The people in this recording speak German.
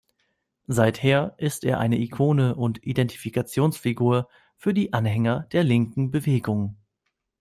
Seither ist er eine Ikone und Identifikationsfigur für die Anhänger der linken Bewegung.